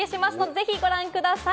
ぜひご覧ください！